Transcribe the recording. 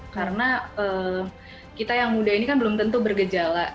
karena kita yang muda ini kan belum tentu bergejala